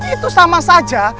itu sama saja